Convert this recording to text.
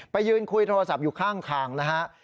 ยืนคุยโทรศัพท์อยู่ข้างทางนะฮะ